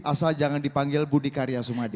asal jangan dipanggil budi karya sumadi